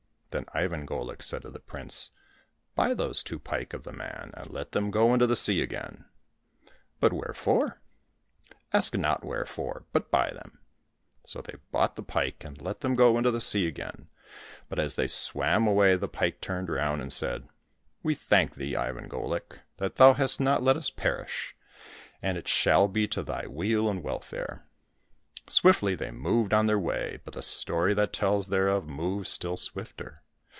Then Ivan Golik said to the prince, " Buy those two pike of the man, and let them go into the sea again." " But wherefore ?" 270 IVAN GOLIK AND THE SERPENTS " Ask not wherefore, but buy them !" So they bought the pike, and let them go into the sea again. But as they swam away, the pike turned round and said, " We thank thee, Ivan GoUk, that thou hast not let us perish, and it shall be to thy weal and welfare !" Swiftly they moved on their way, but the story that tells thereof moves still swifter.